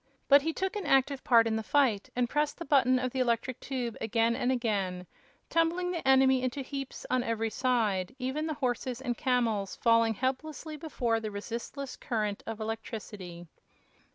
But he took an active part in the fight and pressed the button of the electric tube again and again, tumbling the enemy into heaps on every side, even the horses and camels falling helplessly before the resistless current of electricity.